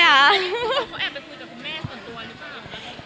เขาแอบไปคุยกับแม่ส่วนตัวหรือเปล่า